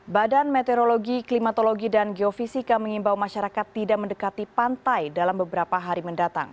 badan meteorologi klimatologi dan geofisika mengimbau masyarakat tidak mendekati pantai dalam beberapa hari mendatang